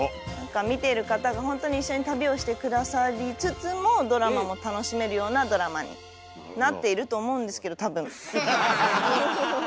見てる方がほんとに一緒に旅をして下さりつつもドラマも楽しめるようなドラマになっていると思うんですけど。